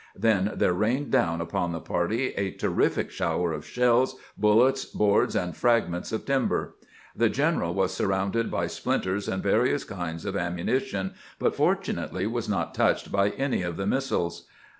Then there rained down upon the party a terrific shower of shells, buUets, boards, and fragments of timber. The general was surrounded by splinters and various kinds of ammunition, but fortunately was not touched by any of the missiles.